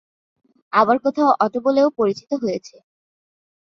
আবার কোথাও "অটো" বলেও পরিচিত হয়েছে।